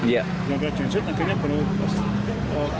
ya meledak genset akhirnya baru berhasil